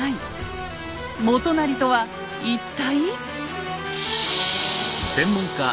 元就とは一体。